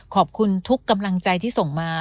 ขอบคุณทุกกำลังใจที่ส่งมา